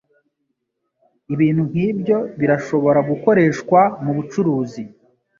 Ibintu nk'ibyo birashobora gukoreshwa mu bucuruzi. ”